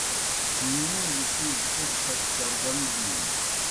نِݨِیلوْ څِیز ایْک چھک څرگن بِینوْ۔